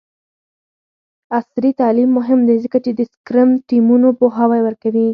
عصري تعلیم مهم دی ځکه چې د سکرم ټیمونو پوهاوی ورکوي.